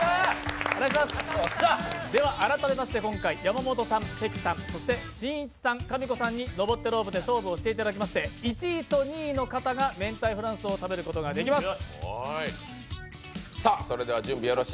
改めまして今回山本さん、関さん、そして、しんいちさんかみこさんに対戦していただき１位と２位の方がめんたいフランスを食べることができます。